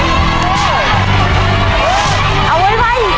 เอาไว้ไว